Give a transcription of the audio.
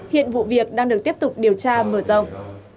hiện vụ việc đang được tiếp tục điều tra mở rộng